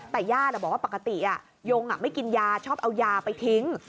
แต่ญาติบอกว่าปกติยงไม่กินยาชอบเอายาไปทิ้ง